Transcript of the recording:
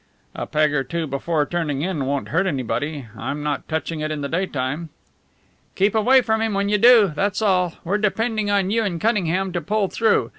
"A peg or two before turning in won't hurt anybody. I'm not touching it in the daytime." "Keep away from him when you do that's all. We're depending on you and Cunningham to pull through.